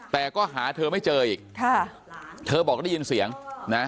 แต่ก็หาเธอไม่เจออีกค่ะเธอบอกได้ยินเสียงนะ